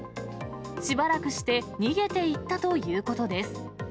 しばらくして逃げていったということです。